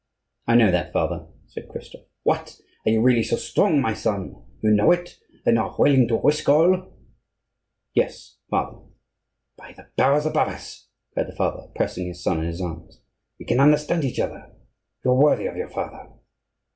"I know that, father," said Christophe. "What! are you really so strong, my son? You know it, and are willing to risk all?" "Yes, father." "By the powers above us!" cried the father, pressing his son in his arms, "we can understand each other; you are worthy of your father.